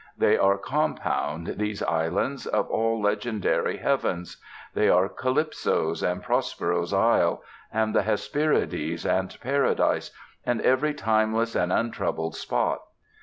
They are compound, these islands, of all legendary heavens. They are Calypso's and Prospero's isle, and the Hesperides, and Paradise, and every timeless and untroubled spot.